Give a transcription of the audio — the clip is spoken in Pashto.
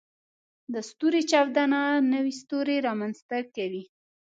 د ستوري چاودنه نوې ستوري رامنځته کوي.